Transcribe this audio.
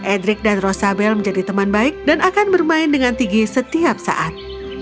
edric dan rosabel menjadi teman baik dan akan bermain dengan tigi setiap saat